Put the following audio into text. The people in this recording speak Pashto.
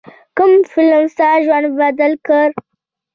کوم فلم ستا ژوند بدل کړ.